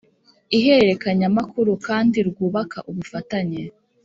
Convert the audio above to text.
ihererekanyamakuru kandi rwubaka ubufatanye.